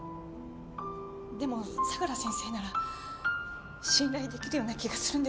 でも相良先生なら信頼出来るような気がするんです。